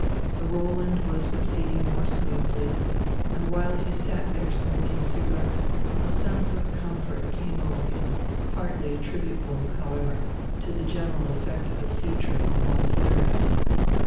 The Roland was proceeding more smoothly, and while he sat there smoking cigarettes, a sense of comfort came over him, partly attributable, however, to the general effect of a sea trip on one's nerves.